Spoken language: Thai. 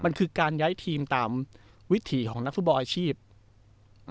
มันคือการย้ายทีมตามวิถีของนักฟุตบอลอาชีพอืม